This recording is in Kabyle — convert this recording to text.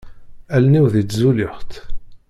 Allen-iw di tzulixt.